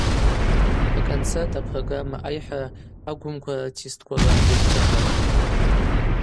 Аконцерт апрограмма айхӏара агвымква рартистквала йадгалан.